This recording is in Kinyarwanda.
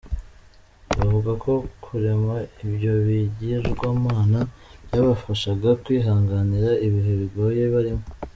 Bavuga ko kurema ibyo bigirwamana byabafashaga kwihanganira ibihe bigoye barimo.